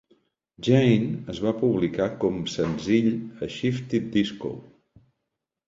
"Jane" es va publicar com senzill a Shifty Disco.